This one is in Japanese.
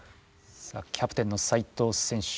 さあキャプテンの齋藤選手。